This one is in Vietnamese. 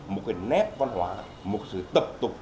một cái tập tục